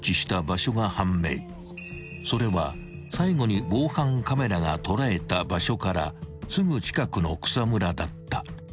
［それは最後に防犯カメラが捉えた場所からすぐ近くの草むらだった］